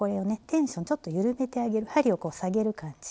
テンションをちょっと緩めてあげる針をこう下げる感じ。